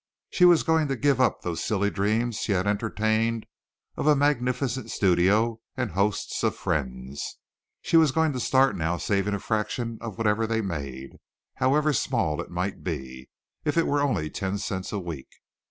She was going to give up those silly dreams she had entertained of a magnificent studio and hosts of friends, and she was going to start now saving a fraction of whatever they made, however small it might be, if it were only ten cents a week.